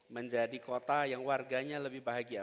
menjadi kota yang warganya lebih bahagia